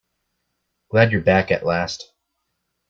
Glad you're back at last.